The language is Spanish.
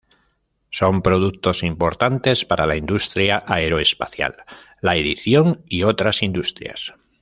Son productos importantes para la Industria Aeroespacial, la Edición y otras Industrias.